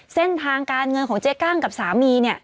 เส้นทางการเงินของเจ๊กั้งกับสามีเนี่ย